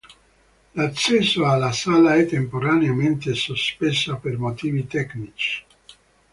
L'accesso alla sala è temporaneamente sospesa per motivi tecnici.